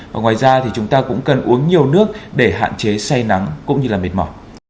và ngoài ra thì chúng ta cũng cần uống nhiều nước để hạn chế say nắng cũng như là mệt mỏ